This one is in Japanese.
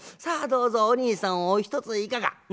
『さあどうぞおにいさんおひとついかが？』。